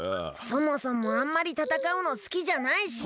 そもそもあんまりたたかうのすきじゃないし。